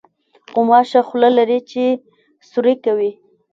غوماشه خوله لري چې سوري کوي.